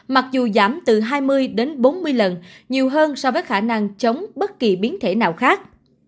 mặc dù giảm từ hai mươi đến bốn mươi lần nhiều hơn so với khả năng chống bất kỳ biến thể nào khác